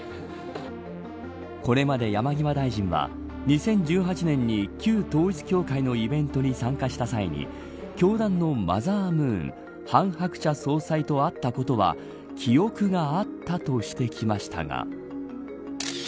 これまで山際大臣は２０１８年に旧統一教会のイベントに参加した際に教団のマザームーン韓鶴子総裁と会ったことは記憶があったとしてきましたが。